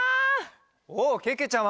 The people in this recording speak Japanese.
おっけけちゃま！